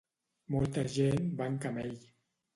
molta gent va en camell.